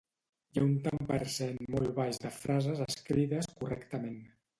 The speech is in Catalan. Hi ha un tant per cent molt baix de frases escrites correctament